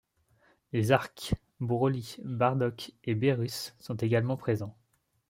Les arcs Broly, Bardock et Beerus sont également présents.